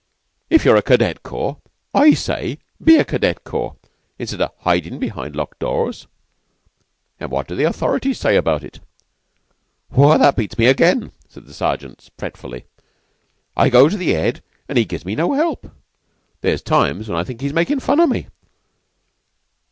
If you're a cadet corps, I say, be a cadet corps, instead o' hidin' be'ind locked doors." "And what do the authorities say about it?" "That beats me again." The Sergeant spoke fretfully. "I go to the 'Ead an' 'e gives me no help. There's times when I think he's makin' fun o' me.